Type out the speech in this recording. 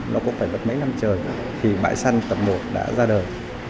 nó cũng phải mất mấy năm trời thì bãi săn tập một đã ra đời